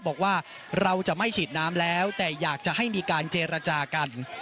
บอกว่าเราจะไม่ฉีดน้ำแล้วแต่อยากจะให้มีการเจรจากัน